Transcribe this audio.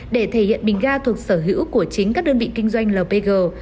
để thể hiện bình ga thuộc sở hữu của chính các đơn vị kinh doanh lpg